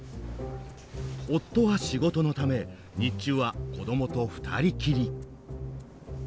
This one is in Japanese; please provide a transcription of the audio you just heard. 夫は仕事のため日中は子どもと２人きり。